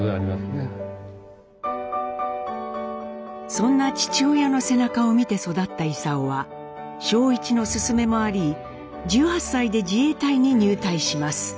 そんな父親の背中を見て育った勲は正一の勧めもあり１８歳で自衛隊に入隊します。